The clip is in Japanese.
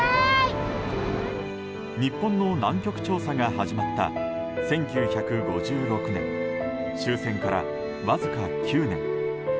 日本の南極調査が始まった１９５６年終戦から、わずか９年。